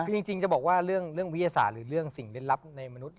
คือจริงจะบอกว่าเรื่องวิทยาศาสตร์หรือเรื่องสิ่งเล่นลับในมนุษย